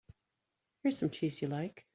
Here's some cheese you like.